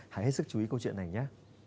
hãy hết sức chú ý câu chuyện này nhé